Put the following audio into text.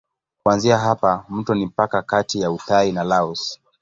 Kuanzia hapa mto ni mpaka kati ya Uthai na Laos.